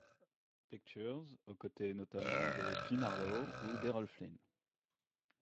Pictures, aux côtés notamment de Jean Harlow ou d'Errol Flynn.